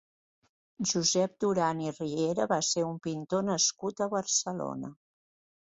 Josep Duran i Riera va ser un pintor nascut a Barcelona.